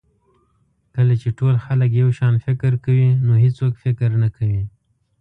کله چې ټول خلک یو شان فکر کوي نو هېڅوک فکر نه کوي.